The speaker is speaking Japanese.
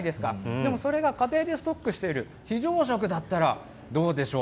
でもそれが家庭でストックしている非常食だったらどうでしょう。